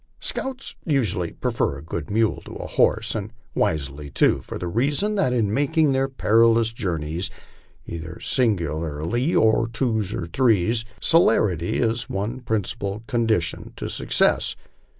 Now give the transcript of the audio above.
Scouts usually prefer a good mule to a horse, and wisely too, for the reason that in making their perilous journeys, either singly or by twos or threes, celerity is one prin cipal condition to success.